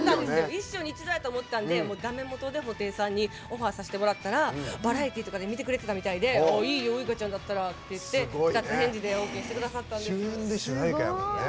一生に一度やと思ったのでだめもとで布袋さんにオファーさせてもらったらバラエティーとかで見てくれてたみたいで「いいよウイカちゃんだったら」っていうことで二つ返事でオーケーしてくださったんです。